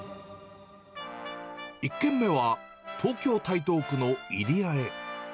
１軒目は、東京・台東区の入谷へ。